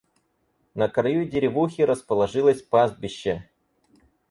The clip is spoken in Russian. На краю деревухи расположилось пастбище.